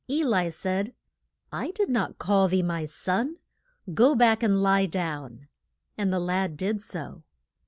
E li said, I did not call thee, my son. Go back, and lie down. And the lad did so.